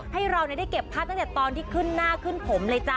ให้เราได้เก็บภาพตั้งแต่ตอนที่ขึ้นหน้าขึ้นผมเลยจ้